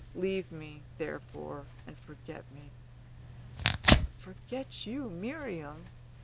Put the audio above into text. Leave me, therefore, and forget me." "Forget you, Miriam!"